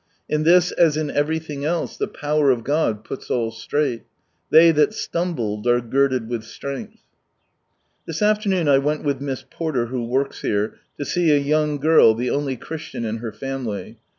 In this, as in everything else, the power of God puts all straight. They that stumbled are girded with strength ! This afternoon I went with Miss Porter who works here, to see a young girt tile only Christian in her family.